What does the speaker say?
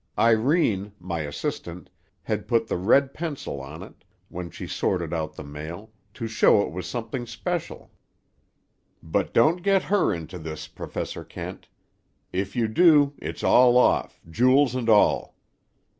Irene, my assistant, had put the red pencil on it, when she sorted out the mail, to show it was something special. But don't get her into this, Professor Kent. If you do, it's all off, jewels and all.